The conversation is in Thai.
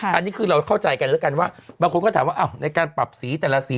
อันนี้คือเราเข้าใจกันแล้วกันว่าบางคนก็ถามว่าในการปรับสีแต่ละสี